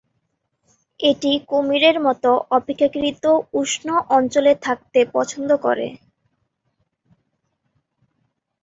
এটি কুমিরের মত অপেক্ষাকৃত উষ্ণ অঞ্চলে থাকতে পছন্দ করে।